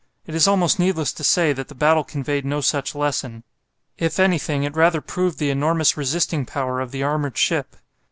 It is almost needless to say that the battle conveyed no such lesson. If anything, it rather proved the enormous resisting power of the armoured ship.